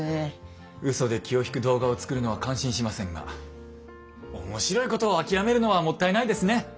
うそで気を引く動画を作るのは感心しませんが面白いことを諦めるのはもったいないですね。